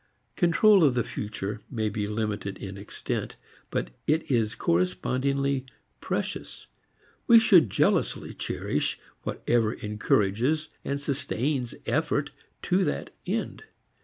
Control of the future may be limited in extent, but it is correspondingly precious; we should jealously cherish whatever encourages and sustains effort to that end.